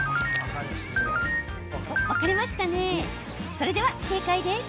それでは正解です。